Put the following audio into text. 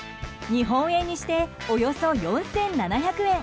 日本円にしておよそ４７００円。